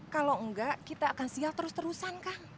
kalau enggak kita akan siap terus terusan kang